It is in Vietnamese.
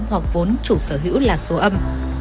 hoặc vốn chủ sở hữu là số ấm